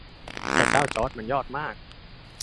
พระเจ้าจอร์จมันยอดมาก